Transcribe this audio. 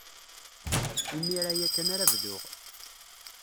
Imir-a ya kan ara bduɣ.